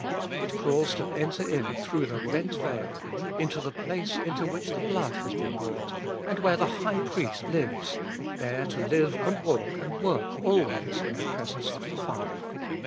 It calls to enter in through the rent veil, into the place into which the blood has been brought, and where the High Priest lives, there to live and walk and work always in the presence of the Father.